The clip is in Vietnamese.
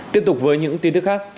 tiếp tục với những tin tức khác